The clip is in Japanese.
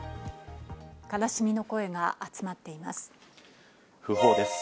悲しみの声が集まっています。